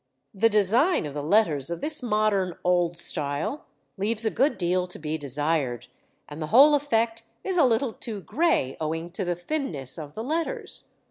The design of the letters of this modern "old style" leaves a good deal to be desired, and the whole effect is a little too gray, owing to the thinness of the letters.